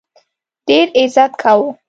ډېر عزت کاوه.